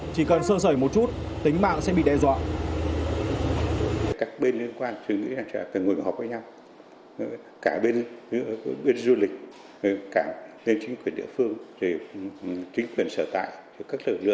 chỉ cần sơ sẩy một chút tính mạng sẽ bị đe dọa